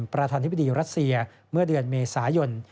ประธานทิศพนิยินรัสเซียเมื่อเดือนเมษายน